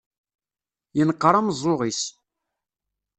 Yenqer umeẓẓuɣ-is.